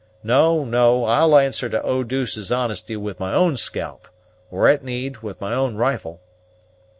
No, no; I'll answer for Eau douce's honesty with my own scalp, or, at need, with my own rifle."